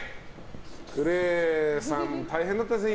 クレイさんも大変だったですね